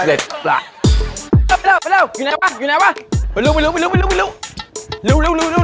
ไปเร็วอยู่ไหนวะไปเร็ว